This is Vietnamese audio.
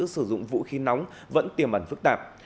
sử dụng vũ khí nóng vẫn tiềm ẩn phức tạp